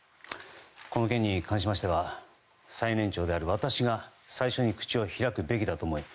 この件に関しましては最年長である私が最初に口を開くべきだと思い